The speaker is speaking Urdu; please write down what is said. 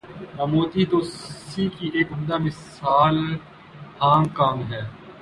عمودی توسیع کی ایک عمدہ مثال ہانگ کانگ ہے۔